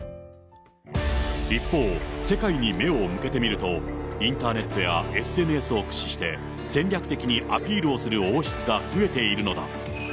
一方、世界に目を向けてみると、インターネットやＳＮＳを駆使して、戦略的にアピールをする王室が増えているのだ。